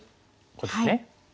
こうですね。